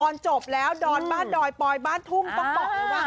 ตอนจบแล้วดอนบ้านดอยปอยบ้านทุ่มก็บอกว่า